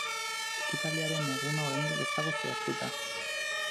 Ekitaldiaren eguna oraindik ez dago zehaztuta.